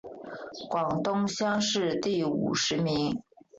广东乡试第五十名。